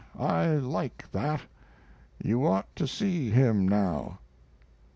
I like that! You ought to see him now."